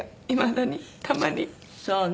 そうね。